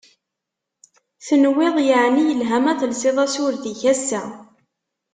Tenwiḍ yeεni yelha ma telsiḍ asured-ik assa?